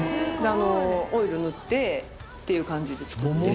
あのオイル塗ってっていう感じで作ってる。